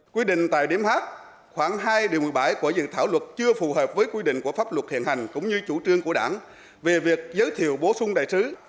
quy định tại điểm h khoảng hai điều một mươi bảy của dự thảo luật chưa phù hợp với quy định của pháp luật hiện hành cũng như chủ trương của đảng về việc giới thiệu bổ sung đại sứ